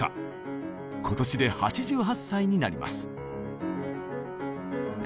今年で８８歳になります。